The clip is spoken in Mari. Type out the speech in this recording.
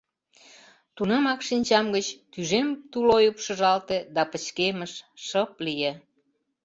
Тунамак шинчам гыч тӱжем тулойып шыжалте да пычкемыш, шып лие...